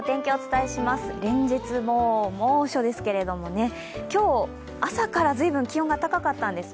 連日もう猛暑ですけれども、今日、朝から随分気温が高かったんです。